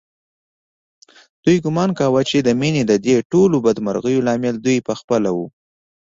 دوی ګومان کاوه چې د مينې ددې ټولو بدمرغیو لامل دوی په خپله و